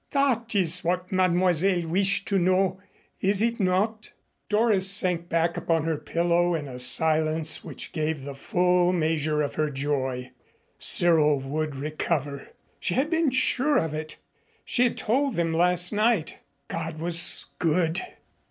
That is what Mademoiselle wished to know, is it not?" Doris sank back upon her pillow in a silence which gave the full measure of her joy. Cyril would recover. She had been sure of it. She had told them last night. God was good.